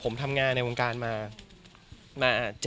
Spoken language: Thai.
ก็มีไปคุยกับคนที่เป็นคนแต่งเพลงแนวนี้